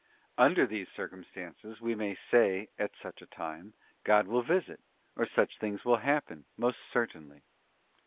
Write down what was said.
Under these circumstances, we may say, at such a time, God will visit, or such things will happen, most certainly.